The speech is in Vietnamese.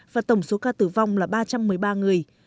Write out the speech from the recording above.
và tổng số ca tử vong là ba trăm một mươi ba người